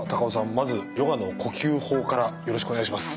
まずヨガの呼吸法からよろしくお願いします。